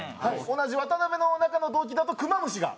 同じワタナベの中の同期だとクマムシが。